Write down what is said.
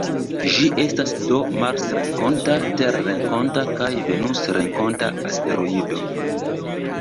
Ĝi estas do marsrenkonta, terrenkonta kaj venusrenkonta asteroido.